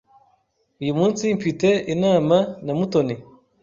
Uyu munsi mfite inama na Mutoni.